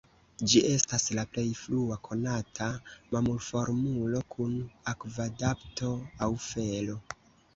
Ĝi estas la plej frua konata mamulformulo kun akvadapto aŭ felo.